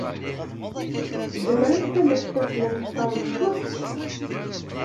Tzemremt ad as-taznemt taneḍfust?